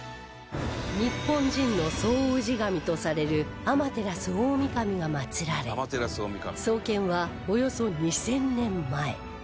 日本人の総氏神とされる天照大御神が祀られ創建はおよそ２０００年前